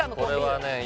これはね